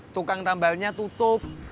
tukang tambalnya tutup